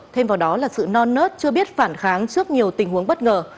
thêm vào đó là sự non nớt chưa biết phản kháng trước nhiều tình huống bất ngờ